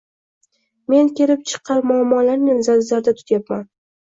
Men kelib chiqqan muammolarni nazarda tutayapman.